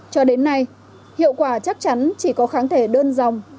cho đến nay hiệu quả chắc chắn chỉ có kháng thể đơn dòng